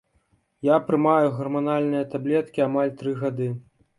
Я прымаю гарманальныя таблеткі амаль тры гады.